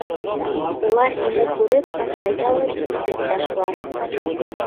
Улар һине күреп, ҡайҙалыр илтеп ташлар.